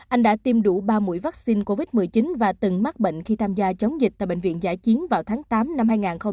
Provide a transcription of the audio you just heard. anh đã tiêm đủ ba mũi vaccine covid một mươi chín và từng mắc bệnh khi tham gia chống dịch tại bệnh viện giải chiến vào tháng tám năm hai nghìn hai mươi